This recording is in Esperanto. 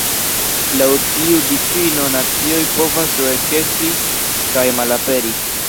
Laŭ tiu difino nacioj povas do ekesti kaj malaperi.